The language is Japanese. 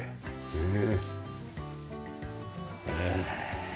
ねえ。